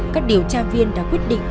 các điều tra viên đã quyết định